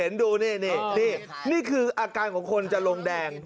นี่คืออาการของคนจะลงแดง